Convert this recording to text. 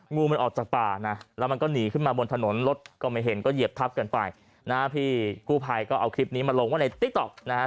งูมันออกจากป่านะแล้วมันก็หนีขึ้นมาบนถนนรถก็ไม่เห็นก็เหยียบทับกันไปนะพี่กู้ภัยก็เอาคลิปนี้มาลงว่าในติ๊กต๊อกนะฮะ